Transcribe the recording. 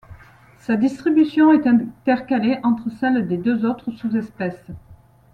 Sa distribution est intercalée entre celles des deux autres sous-espèces.